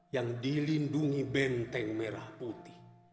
yang dilindungi benteng merah putih